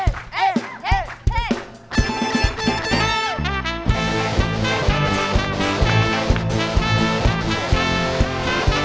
เฮ้เฮเฮ